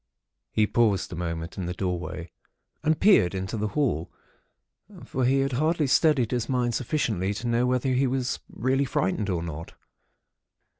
"He paused a moment in the doorway, and peered into the hall; for he had hardly steadied his mind sufficiently to know whether he was really frightened or not.